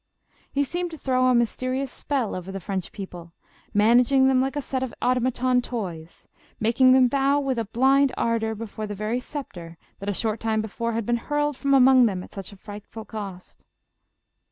He seemed to throw a mysterious spell over the French people, managing them like a set of automaton toys, making them bow with blind ardor before the very sceptre that a short time before had been hurled from among them at such frightful cost.